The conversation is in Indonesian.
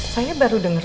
saya baru denger